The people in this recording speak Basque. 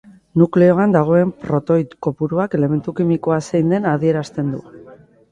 Nukleoan dagoen protoi kopuruak elementu kimikoa zein den adierazten du.